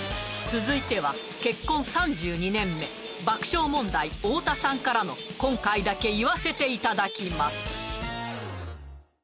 続いては結婚３２年目爆笑問題太田さんからの今回だけ言わせていただきます